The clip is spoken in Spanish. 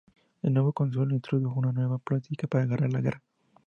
El nuevo cónsul introdujo una nueva política para ganar la guerra.